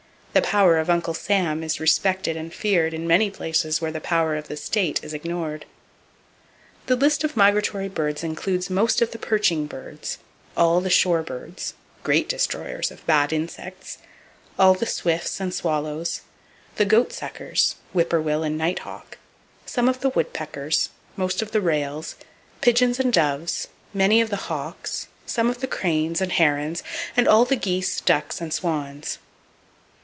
[Page 306] The power of Uncle Sam is respected and feared in many places where the power of the state is ignored. The list of migratory birds includes most of the perching birds; all the shore birds (great destroyers of bad insects); all the swifts and swallows; the goat suckers (whippoorwill and nighthawk); some of the woodpeckers; most of the rails; pigeons and doves; many of the hawks; some of the cranes and herons and all the geese, ducks and swans.